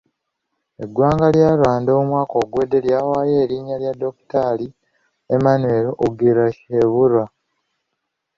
Eggwanga lya Rwanda omwaka oguwedde lyawaayo erinnya lya Dokitaali Emmanuel Ugirashebula.